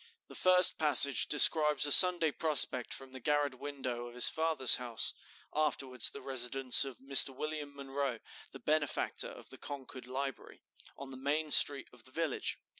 The first passage describes a Sunday prospect from the garret window of his father's house, (afterwards the residence of Mr. William Munroe, the benefactor of the Concord Library), on the main street of the village.